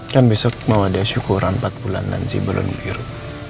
kan besok mau ada syukuran empat bulanan si belon biru